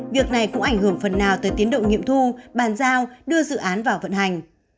việc này cũng ảnh hưởng phần nào tới tiến độ nghiệm thu bàn giao đưa dự án vào vận hành